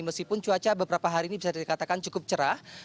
meskipun cuaca beberapa hari ini bisa dikatakan cukup cerah